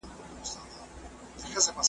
ککرۍ دي چي له تن څخه بېلیږي .